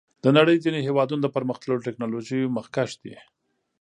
د نړۍ ځینې هېوادونه د پرمختللو ټکنالوژیو مخکښ دي.